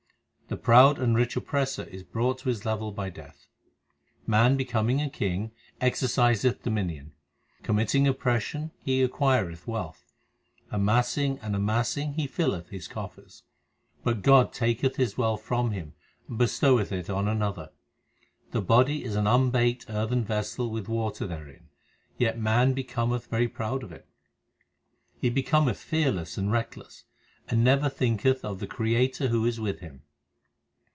The proud and rich oppressor is brought to his level by death : Man becoming a king, exerciseth dominion ; Committing oppression he acquireth wealth ; Amassing and amassing he filleth his coffers ; But God taketh his wealth from him and bestoweth it on another. The body is an unbaked earthen vessel with water therein, Yet man becometh very proud of it. He becometh fearless and reckless, And never thinketh of the Creator who is with him.